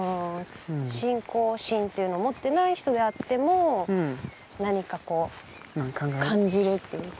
信仰心っていうのを持ってない人であっても何かこう感じるっていうか。